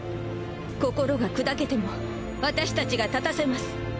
心が砕けても私達が立たせます。